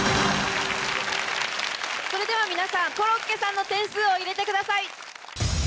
それでは皆さんコロッケさんの点数を入れてください。